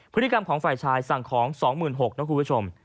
พฤติกรรมของฝ่ายชายสั่งของ๒๖๐๐นะคุณผู้ชม